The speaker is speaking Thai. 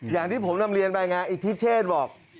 อย่างที่ผมนำเรียนไปไงอิทธิเชษบอก